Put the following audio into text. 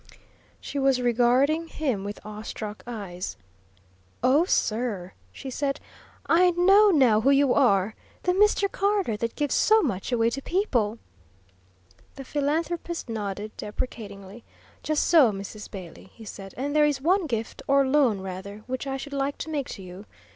She was regarding him with awestruck eyes. "Oh, sir," she said, "I know now who you are the Mr. Carter that gives so much away to people!" The philanthropist nodded, deprecatingly. "Just so, Mrs. Bailey," he said. "And there is one gift or loan rather which I should like to make to you.